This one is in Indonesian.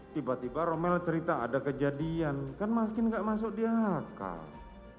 tiba tiba romel cerita ada kejadian kan makin nggak masuk di akal